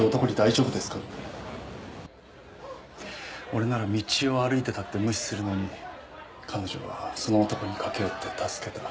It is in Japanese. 俺なら道を歩いてたって無視するのに彼女はその男に駆け寄って助けた。